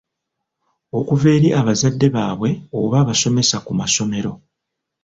Okuva eri abazadde baabwe oba abasomesa ku masomero.